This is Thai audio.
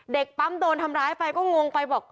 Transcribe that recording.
เด็กปั๊มโดนทำร้ายไปก็งงไปบอก